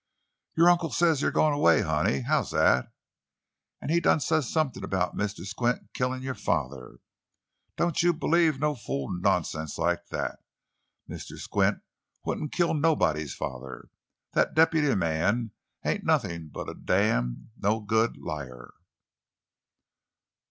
"Yo' uncle says you goin' away, honey—how's that? An' he done say somethin' about Mr. Squint killin' your father. Doan' you b'lieve no fool nonsense like that! Mr. Squint wouldn't kill nobody's father! That deputy man ain't nothin' but a damn, no good liar!"